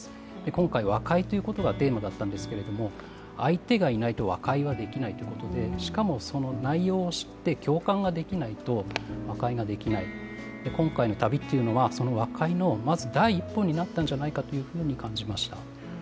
今回、和解ということがテーマだったんですけれども相手がいないと和解はできないということでしかもその内容をしって共感ができないと和解ができない、今回の旅というのはその和解のまず第一歩になったんじゃないかと感じました。